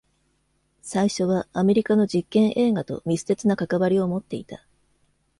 最初はアメリカの実験映画と密接な関わりを持っていた。